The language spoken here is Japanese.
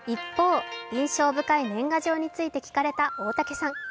一方、印象深い年賀状について聞かれた大竹さん。